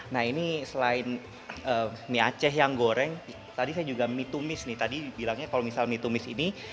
nah ini selain mie aceh yang goreng tadi saya juga mie tumis nih tadi bilangnya kalau misal mie tumis ini